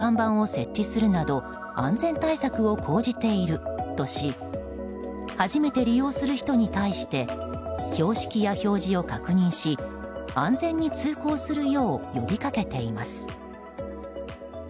中央線が変わる道路について警視庁は注意喚起の看板を設置するなど安全対策を講じているとし初めて利用する人に対して標識や表示を確認し安全に通行するよう呼びかけています。